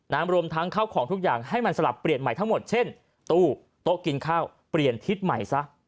รวมทั้งเข้าของทุกอย่างให้มันสลับเปลี่ยนใหม่ทั้งหมดเช่นตู้โต๊ะกินข้าวเปลี่ยนทิศใหม่ซะ